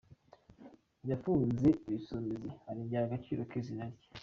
Yafunze Ibisumizi arengera agaciro k’izina rye….